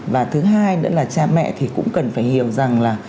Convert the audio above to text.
và thứ hai nữa là cha mẹ thì cũng cần phải hiểu rằng là